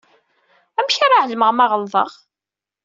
Amek ara ɛelmeɣ ma ɣelḍeɣ?